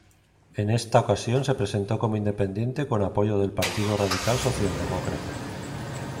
En esta ocasión se presentó como independiente con apoyo del Partido Radical Socialdemócrata.